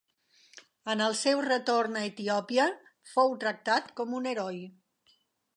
En el seu retorn a Etiòpia fou tractat com un heroi.